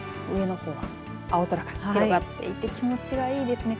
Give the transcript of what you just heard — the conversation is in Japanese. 青空が広がっていて気持ちがいいですね。